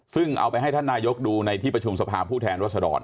ซึ่งเอาไปให้ท่านนายกดูในที่ประชุมสภาพผู้แทนรัศดร